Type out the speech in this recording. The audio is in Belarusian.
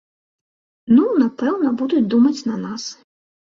Ну, напэўна, будуць думаць на нас.